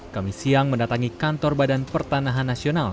kami siang mendatangi kantor badan pertanahan nasional